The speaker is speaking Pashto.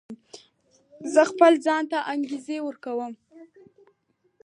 زه خپل ځان ته انګېزه ورکوم.